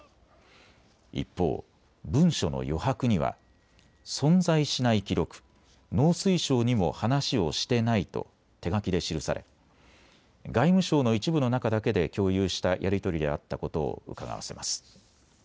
一方、文書の余白には存在しない記録、農水省にも話をしてないと手書きで記され、外務省の一部の中だけで共有したやりとりであったことをうかがわせます。